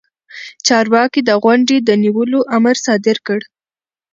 چارواکي د غونډې د نیولو امر صادر کړ.